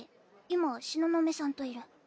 今東雲さんといる。